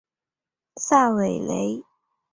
萨韦雷。